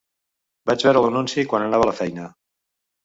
Vaig veure l'anunci quan anava a la feina.